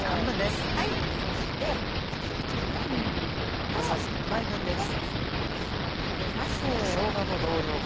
そしてみじん切りのにんにくとそれからしょうが入れます。